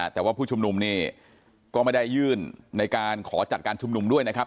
แต่ว่าผู้ชุมนุมนี่ก็ไม่ได้ยื่นในการขอจัดการชุมนุมด้วยนะครับ